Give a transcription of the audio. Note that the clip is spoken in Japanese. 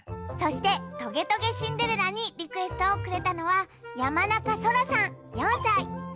そして「トゲトゲ・シンデレラ」にリクエストをくれたのはやまなかそらさん４さい！